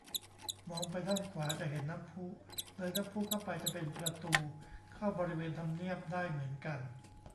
มองไปด้านขวาจะเห็นน้ำพุ เลยน้ำพุเข้าไปจะเป็นประตูเข้าบริเวณทำเนียบได้เหมือนกัน